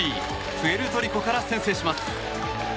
プエルトリコから先制します。